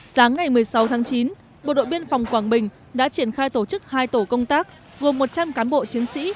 sáng ngày một mươi sáu tháng chín bộ đội biên phòng quảng bình đã triển khai tổ chức hai tổ công tác gồm một trăm linh cán bộ chiến sĩ